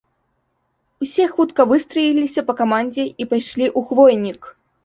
Усе хутка выстраіліся па камандзе і пайшлі ў хвойнік.